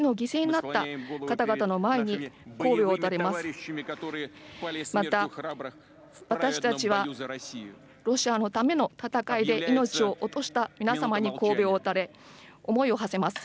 また私たちはロシアのための戦いで命を落とした皆様にこうべを垂れ思いをはせます。